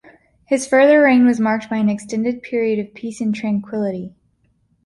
His further reign was marked by an extended period of peace and tranquility.